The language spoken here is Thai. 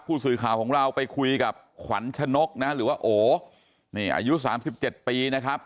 ผู้สื่อข่าวของเราไปคุยกับขวัญชนกนะหรือว่าโอนี่อายุ๓๗ปีนะครับ